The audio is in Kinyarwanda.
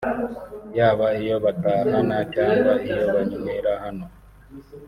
yaba iyo batahana cyangwa iyo banywera hano